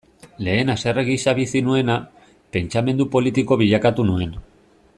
Lehen haserre gisa bizi nuena, pentsamendu politiko bilakatu nuen.